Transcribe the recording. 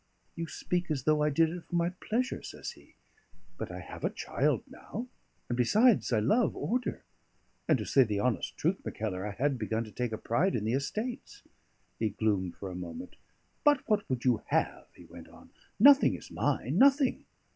"You speak as though I did it for my pleasure," says he. "But I have a child now; and, besides, I love order; and to say the honest truth, Mackellar, I had begun to take a pride in the estates." He gloomed for a moment. "But what would you have?" he went on. "Nothing is mine, nothing.